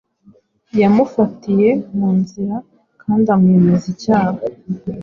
Yamufatiye mu nzira kandi amwemeza icyaha;